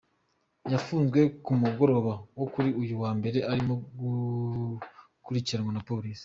Yafunzwe ku mugoroba wo kuri uyu wa Mbere, arimo gukurikiranwa na Polisi.